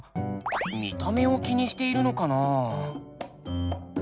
見た目を気にしているのかなあ？